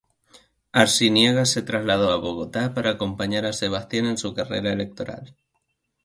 Arciniegas se trasladó a Bogotá para acompañar a Sebastián en su carrera actoral.